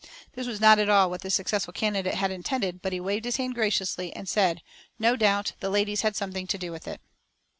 This was not at all what the successful candidate had intended, but he waved his hand graciously and said, "No doubt the ladies had something to do with it."